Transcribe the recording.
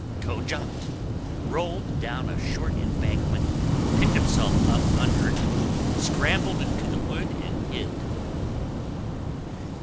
Toad jumped, rolled down a short embankment, picked himself up unhurt, scrambled into the wood and hid.